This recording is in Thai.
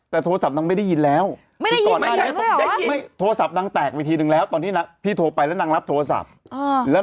แต่ตอนนี้ปาดหูนะไม่ได้นะพี่ไปทำเถอะ